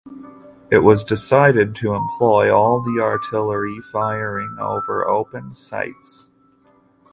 It was decided to employ all the artillery firing over open sights.